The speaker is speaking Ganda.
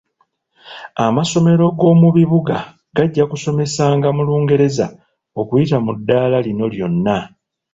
Amasomero go mu bibuga gajja kusomesezanga mu Lungereza okuyita mu ddala lino lyonna .